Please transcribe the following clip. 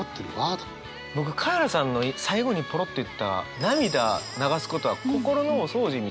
僕カエラさんの最後にポロッと言った涙を流すことは心のお掃除みたいな。